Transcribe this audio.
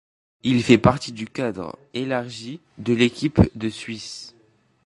Il fait partie du cadre élargi de l'équipe de Suisse.